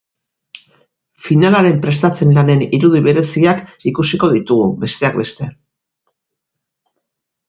Finalaren prestatze-lanen irudi bereziak ikusiko ditugu, besteak beste.